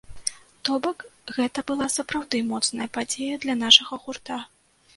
То бок, гэта была сапраўды моцная падзея для нашага гурта.